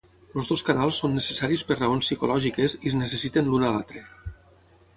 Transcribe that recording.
Els dos canals són necessaris per raons psicològiques i es necessiten l'un a l'altre.